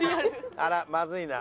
あらまずいな。